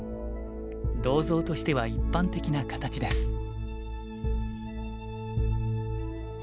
銅像としては一般的な形です。